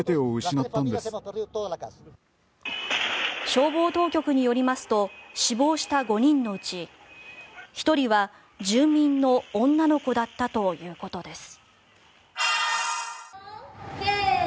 消防当局によりますと死亡した５人のうち１人は住民の女の子だったということです。